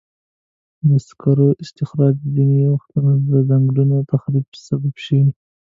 د سکرو استخراج ځینې وختونه د ځنګلونو تخریب سبب شوی.